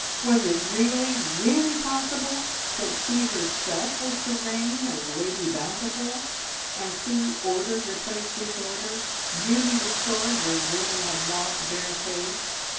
Was it really, really possible that she herself was to reign as Lady Bountiful, and see order replace disorder, beauty restored where ruin had walked barefaced?